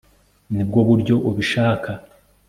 nibwo buryo ubishaka